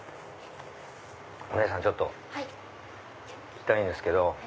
お姉さんちょっと聞きたいんですけど。